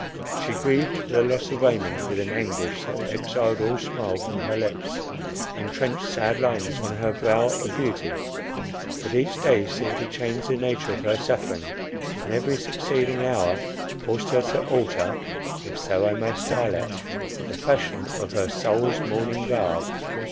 She grieved for the loss of Raymond with an anguish, that exiled all smile from her lips, and trenched sad lines on her brow of beauty. But each day seemed to change the nature of her suffering, and every succeeding hour forced her to alter (if so I may style it) the fashion of her soul's mourning garb.